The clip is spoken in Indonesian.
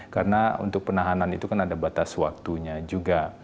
karena untuk penahanan itu kan ada batas waktunya juga